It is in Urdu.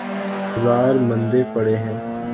بازار مندے پڑے ہیں۔